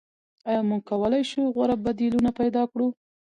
آیا موږ کولای شو غوره بدیلونه پیدا کړو؟